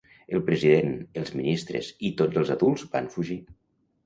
El president, els ministres i tots els adults van fugir.